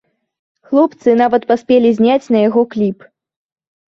Хлопцы нават паспелі зняць на яго кліп.